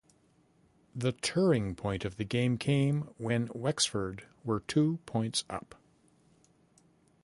The turing point of the game came when Wexford were two points up.